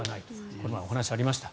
この間お話がありました。